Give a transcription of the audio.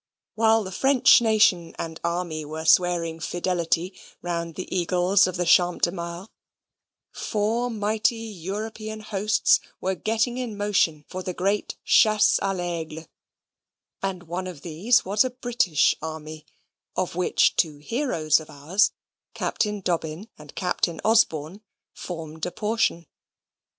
While the French nation and army were swearing fidelity round the eagles in the Champ de Mars, four mighty European hosts were getting in motion for the great chasse a l'aigle; and one of these was a British army, of which two heroes of ours, Captain Dobbin and Captain Osborne, formed a portion.